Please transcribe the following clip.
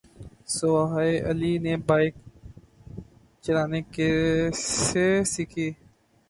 سوہائے علی نے بائیک چلانا کیسے سیکھی